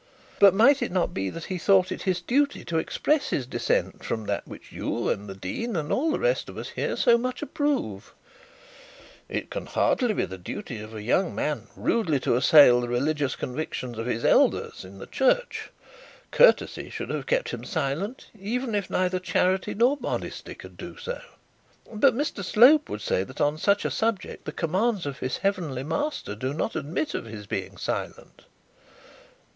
'But might it not be that he thought it his duty to express his dissent from that which you, and the dean, and all of us here approve?' 'It can hardly be the duty of any young man rudely to assail the religious convictions of his elders of the church. Courtesy should have kept him silent, even if neither charity nor modesty could do so.' 'But Mr Slope would say that on such a subject the commands of his heavenly Master do not admit of his being silent.'